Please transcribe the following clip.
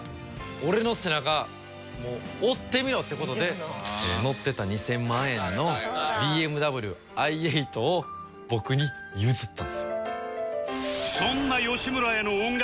俺の背中追ってみろ」って事で乗ってた２０００万円のＢＭＷｉ８を僕に譲ったんですよ。